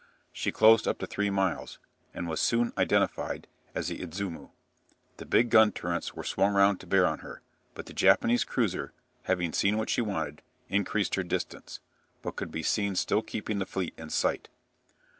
She closed up to three miles, and was soon identified as the "Idzumo." The big turret guns were swung round to bear on her, but the Japanese cruiser, having seen what she wanted, increased her distance, but could be seen still keeping the fleet in sight.